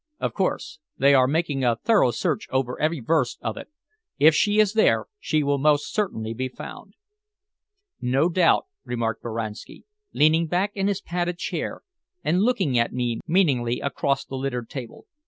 "Of course. They are making a thorough search over every verst of it. If she is there, she will most certainly be found." "No doubt," remarked Boranski, leaning back in his padded chair and looking at me meaningly across the littered table.